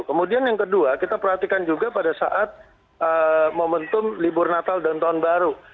kemudian yang kedua kita perhatikan juga pada saat momentum libur natal dan tahun baru